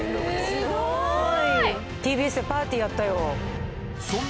すごーい！